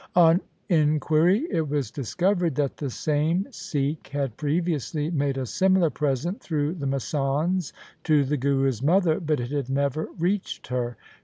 On inquiry it was discovered that the same Sikh had previously made a similar present through the masands to the Guru's mother, but it had never reached her.